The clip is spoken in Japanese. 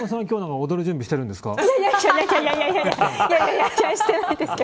今日は踊る準備してるんですか。